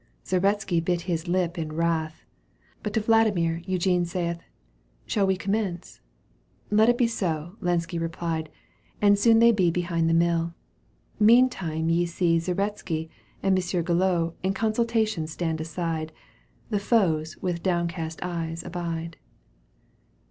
Zaretski bit his lip in wrath, But to Vladimir Eugene saith :" Shall we commence ?"—" Let it be so," LenskTreplied, and soon they be Behind the mill. Meantime ye see Zaretski and Monsieur Guillot In consultation stand aside — The foes with downcast eyes abide.